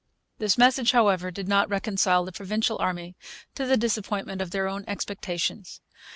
This message, however, did not reconcile the Provincial army to the disappointment of their own expectations.